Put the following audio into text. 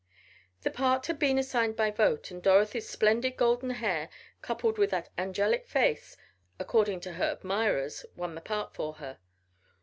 The part had been assigned by vote, and Dorothy's splendid golden hair, coupled with that "angelic face," according to her admirers, won the part for her.